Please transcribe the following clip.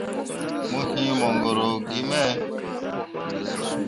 Mo yee mongoro gi me.